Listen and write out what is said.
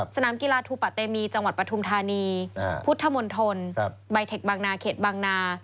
สนามกีฬาทูปะเตมีจังหวัดปฐุมธานีพุทธมณฑลใบเทคบางนาเขตบางนา